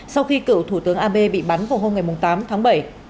sau khi cựu thủ tướng abe bị bắn vào hôm tám tháng bảy